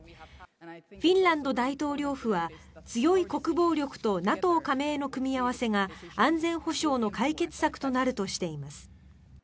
フィンランド大統領府は強い国防力とＮＡＴＯ加盟の組み合わせが安全保障の解決策となるとしています。